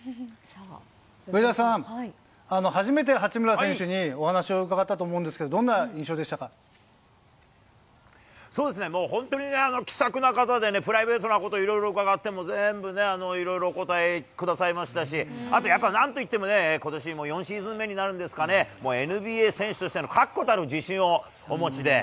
上田さん、初めて八村選手にお話を伺ったと思うんですけど、どんな印象でしそうですね、もう本当に、気さくな方でね、プライベートなこといろいろ伺っても全部ね、いろいろお答えくださいましたし、あとやっぱり、なんといってもね、ことし４シーズン目になるんですかね、ＮＢＡ選手としての確固たる自信をお持ちで。